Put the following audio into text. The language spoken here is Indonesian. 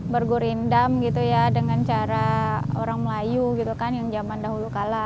ber gurindam gitu ya dengan cara orang melayu gitu kan yang zaman dahulu kala